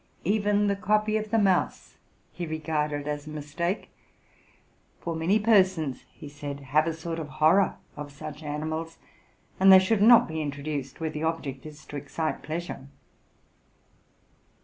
Even the copy of the mouse he re garded as a mistake ; for many persons, he said, have a sort of horror of such animals: and they should net be introduced where the object is to excite pleasure.